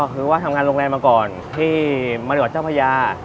คือว่าทำงานโรงแรมมาก่อนที่มริวัตเจ้าพญา